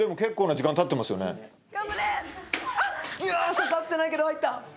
刺さってないけど入った！